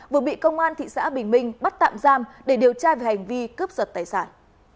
vừa bị công an thị xã bình minh bắt tạm giam để điều tra về hành vi cướp giật tài sản